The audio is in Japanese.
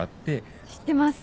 知ってます。